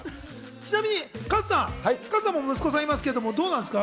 ちなみに加藤さん、息子さんいますけれども、どうなんですか？